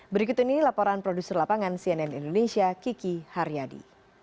berikut ini laporan produser lapangan cnn indonesia kiki haryadi